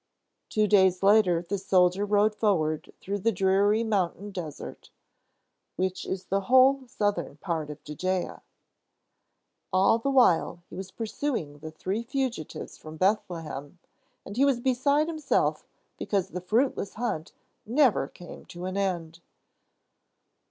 Two days later, the soldier rode forward through the dreary mountain desert, which is the whole southern part of Judea. All the while he was pursuing the three fugitives from Bethlehem, and he was beside himself because the fruitless hunt never came to an end.